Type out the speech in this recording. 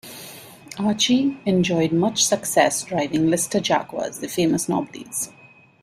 Archie enjoyed much success driving Lister-Jaguars - the famous "Knobblys".